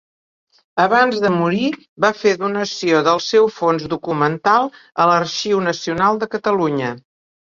Abans de morir va fer donació del seu fons documental a l'Arxiu Nacional de Catalunya.